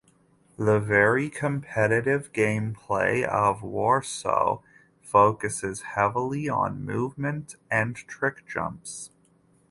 The very competitive gameplay of "Warsow" focuses heavily on movement and trickjumps.